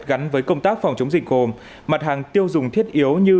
gắn với công tác phòng chống dịch gồm mặt hàng tiêu dùng thiết yếu như